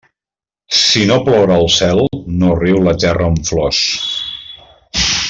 Si no plora el cel, no riu la terra amb flors.